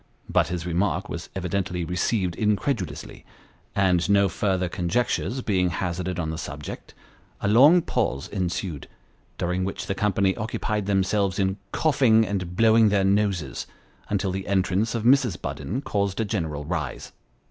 But his remark was evidently received incredulously ; and no further conjectures being hazarded on the subject, a long pause ensued, during which the company occupied themselves in coughing and blowing their noses, until the entrance of Mrs. Budden caused a general rise.